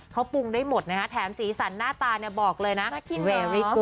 อ่อเขาปรุงได้หมดนะฮะแถมสีสรรหน้าตาบอกเลยนะ